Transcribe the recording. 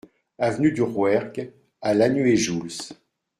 Avenue du Rouergue à Lanuéjouls